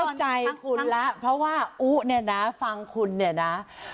เข้าใจคุณแล้วเพราะว่าอุ๊เนี่ยนะฟังคุณเนี่ยนะ